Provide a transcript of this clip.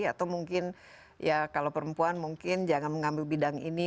atau mungkin ya kalau perempuan mungkin jangan mengambil bidang ini